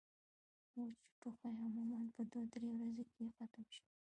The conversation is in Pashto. وچ ټوخی عموماً پۀ دوه درې ورځې کښې ختم شي